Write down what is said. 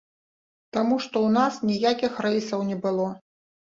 Таму што ў нас ніякіх рэйсаў не было.